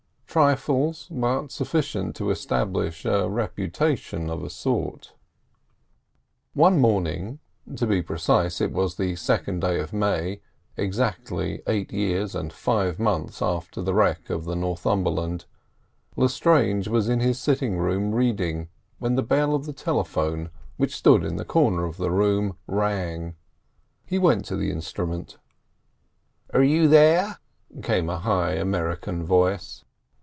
Trifles, but sufficient to establish a reputation of a sort. One morning—to be precise, it was the second day of May, exactly eight years and five months after the wreck of the Northumberland—Lestrange was in his sitting room reading, when the bell of the telephone, which stood in the corner of the room, rang. He went to the instrument. "Are you there?" came a high American voice.